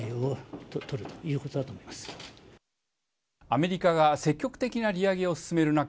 アメリカが積極的な利上げを進める中